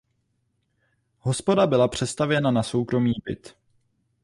Hospoda byla přestavěna na soukromý byt.